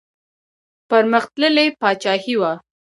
پرمختللې پاچاهي وه.